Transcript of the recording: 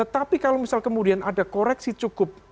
tapi kalau misal kemudian ada koreksi cukup